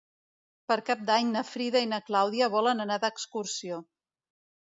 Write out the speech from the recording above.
Per Cap d'Any na Frida i na Clàudia volen anar d'excursió.